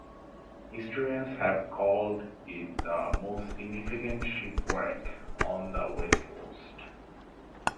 Historians have called it "the most significant shipwreck on the west coast".